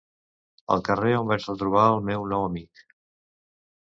El carrer on vaig retrobar el meu nou amic...